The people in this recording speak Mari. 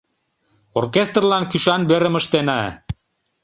— Оркестрлан кӱшан верым ыштена.